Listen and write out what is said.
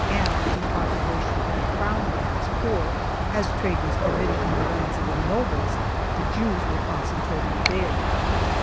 Ill] VICISSITUDES 123 and the depopulation of the crown lands for, as trade was per mitted in the lands of the nobles, the Jews were concentrating there.